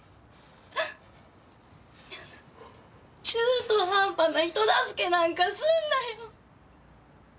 中途半端な人助けなんかすんなよ。